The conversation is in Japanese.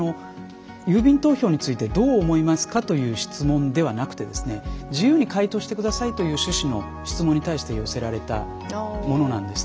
郵便投票についてどう思いますか？という質問ではなくて自由に回答してくださいという趣旨の質問に対して寄せられたものなんですね。